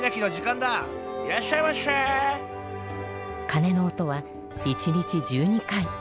かねの音は１日１２回。